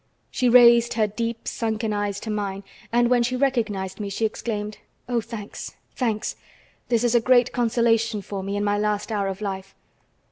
She raised her deep, sunken eyes to mine, and, when she recognized me, she exclaimed: "Oh, thanks, thanks! This is a great consolation for me, in my last hour of life.